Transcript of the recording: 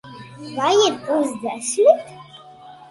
Vai ir pusdesmit?